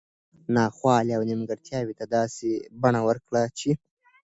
نا خوالي او نیمګړتیاوو ته داسي بڼه ورکړي چې